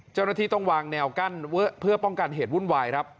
เจ้าหน้าที่ต้องวางแนวกั้นเพื่อป้องกันเหตุวุ่นวายครับ